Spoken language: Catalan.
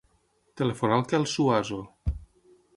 Telefona al Quel Suazo.